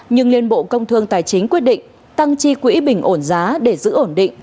nhưng liên bộ công thương tài chính quyết định tăng chi quỹ bình ổn giá để giữ ổn định